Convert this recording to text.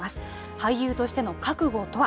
俳優としての覚悟とは。